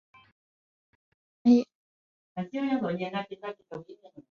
长津湖战役